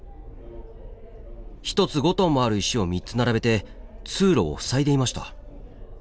１つ５ｔもある石を３つ並べて通路を塞いでいました。